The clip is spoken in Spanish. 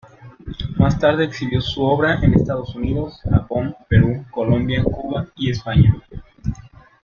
Más tarde exhibió su obra en Estados Unidos, Japón, Perú, Colombia, Cuba y España.